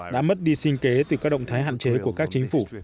đã mất đi sinh kế từ các động thái hạn chế của các chính phủ